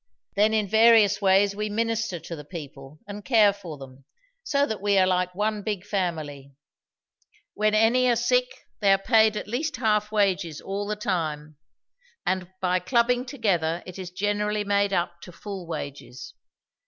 Then in various ways we minister to the people and care for them; so that we are like one big family. When any are sick, they are paid at least half wages all the time; and by clubbing together it is generally made up to full wages.